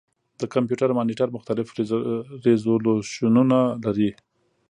د کمپیوټر مانیټر مختلف ریزولوشنونه لري.